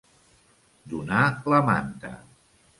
Donar la manta.